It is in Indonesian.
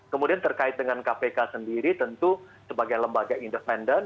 kemudian terkait dengan kpk sendiri tentu sebagai lembaga independen